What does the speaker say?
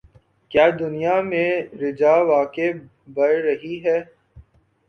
کیا دنیا میں الرجی واقعی بڑھ رہی ہے